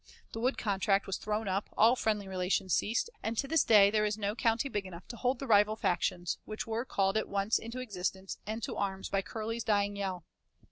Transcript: The wood contract was thrown up, all friendly relations ceased, and to this day there is no county big enough to hold the rival factions which were called at once into existence and to arms by Curley's dying yell.